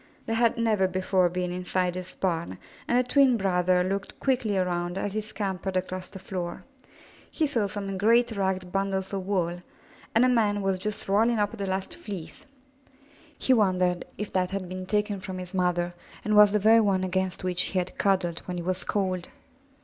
They had never before been inside this barn, and the twin brother looked quickly around as he scampered across the floor. He saw some great ragged bundles of wool, and a man was just rolling up the last fleece. He wondered if that had been taken from his mother and was the very one against which he had cuddled when he was cold.